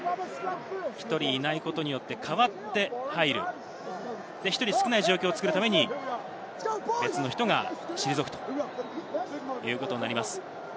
１人いないことによって代わって入る、１人少ない状況を作るために別の人が退くということになります。